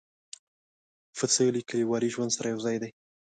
پسه له کلیوالي ژوند سره یو ځای دی.